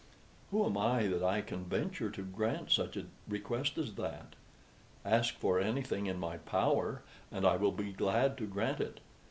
Who am I that I can venture to grant such a request as that? Ask for anything in my power, and I will be glad to grant it.